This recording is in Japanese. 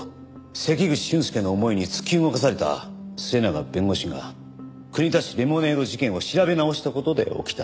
関口俊介の思いに突き動かされた末永弁護士が国立レモネード事件を調べ直した事で起きた。